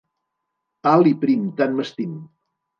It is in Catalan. Alt i prim, tant m'estim.